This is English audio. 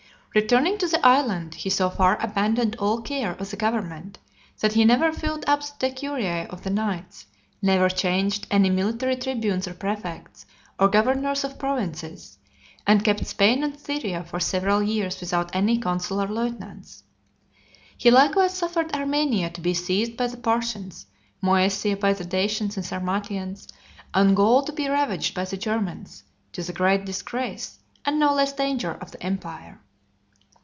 XLI. Returning to the island, he so far abandoned all care of the government, that he never filled up the decuriae of the knights, never changed any military tribunes or prefects, or governors of provinces, and kept Spain and Syria for several years without any consular lieutenants. He likewise suffered Armenia to be seized by the Parthians, Moesia by the Dacians and Sarmatians, and Gaul to be ravaged by the Germans; to the great disgrace, and no less danger, of the empire.